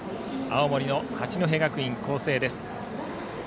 青森の八戸学院光星です。